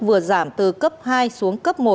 vừa giảm từ cấp hai xuống cấp một